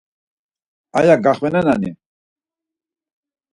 Aya gaxvenenani?